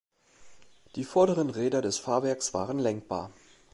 Die vorderen Räder des Fahrwerks waren lenkbar.